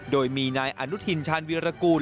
โดยมีนายอนุทินชาญวิรากูล